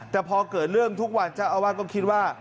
แต่พอเกิดเรื่องทุกวันเจ้าอาวาสก็คิดว่า